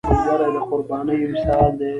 ملګری د قربانۍ مثال دی